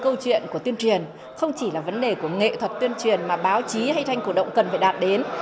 không chỉ là vấn đề của tuyên truyền không chỉ là vấn đề của nghệ thuật tuyên truyền mà báo chí hay tranh cổ động cần phải đạt đến